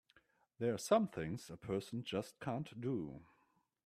There are some things a person just can't do!